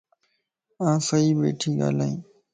آن صحيح ٻيڻھي ڳالھائين